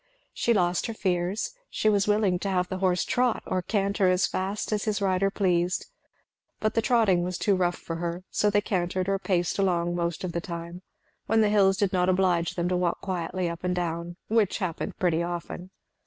She lost her fears; she was willing to have the horse trot or canter as fast as his rider pleased; but the trotting was too rough for her, so they cantered or paced along most of the time, when the hills did not oblige them to walk quietly up and down, which happened pretty often.